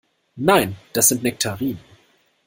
Nein, das sind Nektarinen.